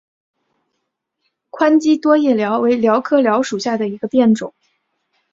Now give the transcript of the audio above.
宽基多叶蓼为蓼科蓼属下的一个变种。